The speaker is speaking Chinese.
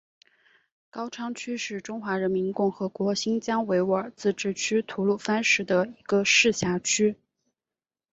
高昌区是中华人民共和国新疆维吾尔自治区吐鲁番市的一个市辖区。